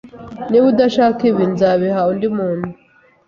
Niba udashaka ibi, nzabiha undi muntu.